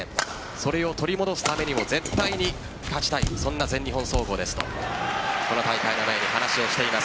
それを取り戻すためにも絶対に勝ちたいそんな全日本総合ですとこの大会の前に話をしています。